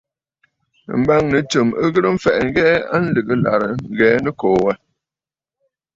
M̀bâŋnə̌ tsɨm ghɨrə mfɛ̀ʼɛ̀ ŋ̀hɛɛ a lɨ̀gə ɨlàrə Ŋgə̀ə̀ Nɨkòò wâ.